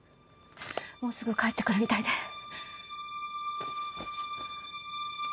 もうすぐ帰ってくるみたいで。